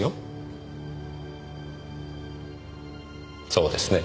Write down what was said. そうですね？